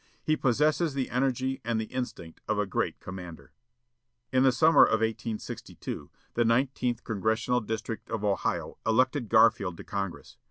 He possesses the energy and the instinct of a great commander." In the summer of 1862 the Nineteenth Congressional District of Ohio elected Garfield to Congress.